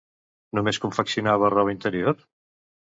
Només confeccionava roba interior?